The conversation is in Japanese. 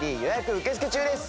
受け付け中です。